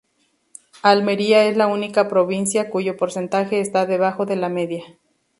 Almería es la única provincia cuyo porcentaje está debajo de la media